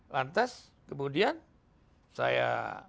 lantas kemudian saya